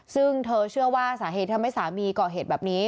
ซึ่งเธอเชื่อว่าสาเหตุทำให้สามีก่อเหตุแบบนี้